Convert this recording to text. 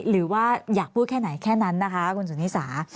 หรือว่าอยากพูดแค่ไหนแค่นั้นนะคะคุณสุนิสา